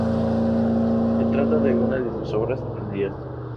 Se trata de una de sus obras tardías.